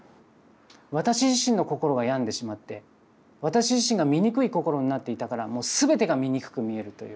私自身の心が病んでしまって私自身が醜い心になっていたからもう全てが醜く見えるという。